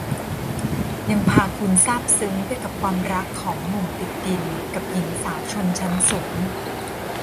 ยังพาคุณซาบซึ้งไปกับความรักของหนุ่มติดดินกับหญิงสาวชนชั้นสูง